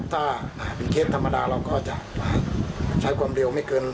ถ้าเป็นเคสธรรมดาเราก็จะใช้ความเร็วไม่เกิน